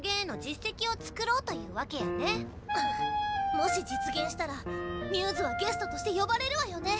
もし実現したらμ’ｓはゲストとして呼ばれるわよね？